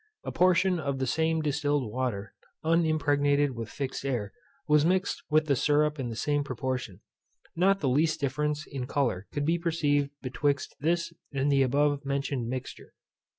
A portion of the same distilled water, unimpregnated with fixed air, was mixed with the syrup in the same proportion: not the least difference in colour could be perceived betwixt this and the above mentioned mixture.